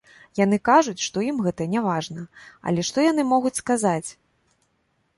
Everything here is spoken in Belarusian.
Яны кажуць, што ім гэта не важна, але што яны могуць сказаць?!